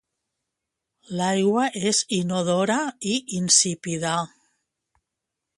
L'aigua és inodora i insípida.